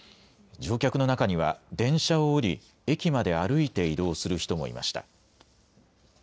乗客の中には電車を降り、駅まで歩いて移動する人もいました。